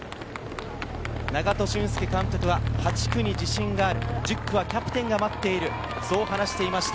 長門俊介監督は８区に自信がある、１０区はキャプテンが待っている、そう話していました。